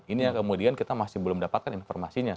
ini yang kemudian kita masih belum dapatkan informasinya